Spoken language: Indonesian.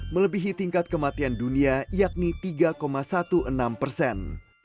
melebihi tingkat kematian dunia yakni tiga enam belas persen